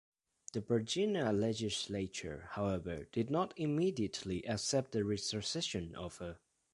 The Virginia legislature, however, did not immediately accept the retrocession offer.